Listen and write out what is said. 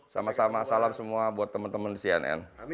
sama sama salam semua buat teman teman cnn